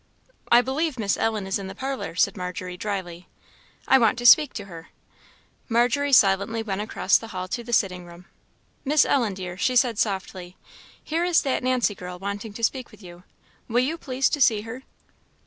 "I believe Miss Ellen is in the parlour," said Margery, drily. "I want to speak to her." Margery silently went across the hall to the sitting room. "Miss Ellen, dear," she said, softly, "here is that Nancy girl wanting to speak with you will you please to see her?"